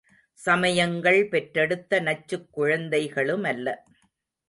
சமயங்கள் பெற்றெடுத்த நச்சுக் குழந்தைகளுமல்ல.